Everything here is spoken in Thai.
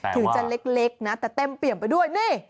ถึงจะเล็กนะแต่เต็มเปี่ยมไปด้วยนี่